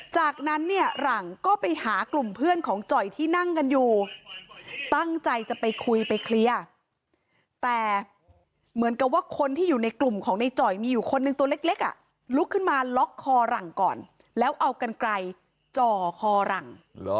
จากนั้นเนี่ยหลังก็ไปหากลุ่มเพื่อนของจ่อยที่นั่งกันอยู่ตั้งใจจะไปคุยไปเคลียร์แต่เหมือนกับว่าคนที่อยู่ในกลุ่มของในจ่อยมีอยู่คนหนึ่งตัวเล็กอ่ะลุกขึ้นมาล็อกคอหลังก่อนแล้วเอากันไกลจ่อคอหลัง